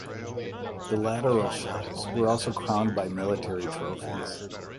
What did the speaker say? The lateral shutters were also crowned by military trophies.